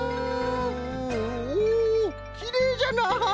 おきれいじゃな！